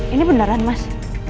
ini beneran mas